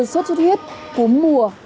sốt chút huyết cúm mùa